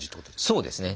そうですね。